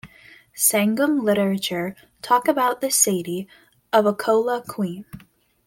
Sangam literature talk about the Sati of a Chola queen.